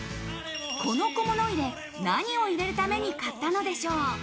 この小物入れ、何を入れるために買ったのでしょう。